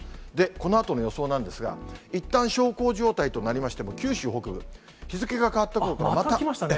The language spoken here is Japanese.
このあとの予想なんですが、いったん小康状態となりましても、九州北部、日付が変わったころかまた来ましたね。